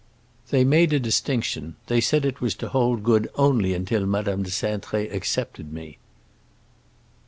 "They made a distinction. They said it was to hold good only until Madame de Cintré accepted me."